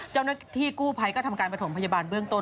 เจ้าหน้าที่กู้ภัยก็ทำการประถมพยาบาลเบื้องต้น